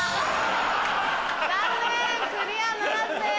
残念クリアならずです。